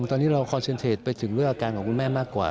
ตอนนี้เราคอนเซ็นเทจไปถึงเรื่องอาการของคุณแม่มากกว่า